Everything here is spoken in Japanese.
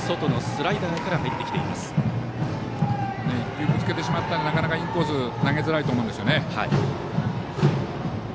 １球ぶつけてしまったのでなかなかインコースに投げづらいと思うんですよね。